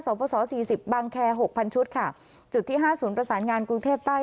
สปส๔๐บังแคร์๖๐๐๐ชุดค่ะจุดที่ห้าศูนย์ประสานงานกรุงเทพใต้